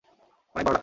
অনেক বড় লাগছে।